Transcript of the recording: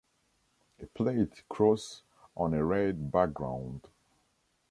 A plate cross on a red background.